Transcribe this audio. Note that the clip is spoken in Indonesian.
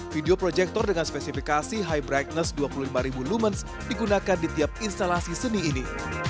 video proyektor dengan spesifikasi hybrigness dua puluh lima ribu lumans digunakan di tiap instalasi seni ini